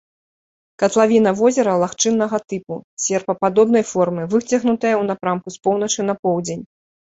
Катлавіна возера лагчыннага тыпу, серпападобнай формы, выцягнутая ў напрамку з поўначы на поўдзень.